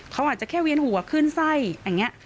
เขาอาจจะแค่เวียนหัวขึ้นไส้อย่างนี้